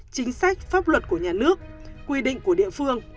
chính sách pháp luật của nhà nước quy định của địa phương